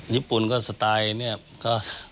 ญี่ปุ่นสไตล์ก็